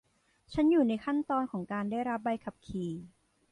ฉันอยู่ในขั้นตอนของการได้รับใบขับขี่